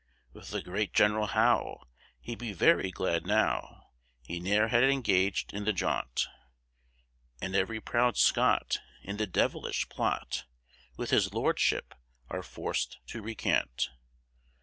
With the great General Howe, He'd be very glad now, He ne'er had engag'd in the jaunt; And ev'ry proud Scot In the devilish plot, With his Lordship, are forc'd to recant.